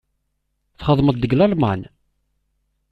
Txedmeḍ deg Lalman?